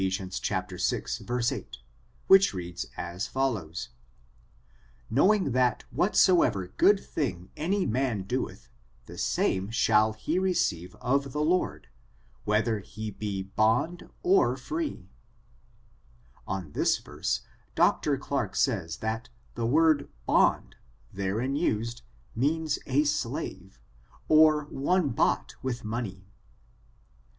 vi, 8, which reads as follows: "Knowing that whatsoever good thing any man doeth, the same shall he receive of the Lord, Whether he be bond or free^ On this verse Dr. Clarke says, that the word bond, therein used, means a slavcj or one bought with money.